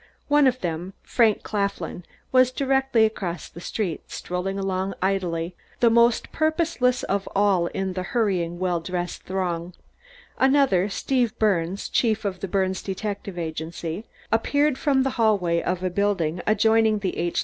One of them Frank Claflin was directly across the street, strolling along idly, the most purposeless of all in the hurrying, well dressed throng; another Steve Birnes, chief of the Birnes Detective Agency appeared from the hallway of a building adjoining the H.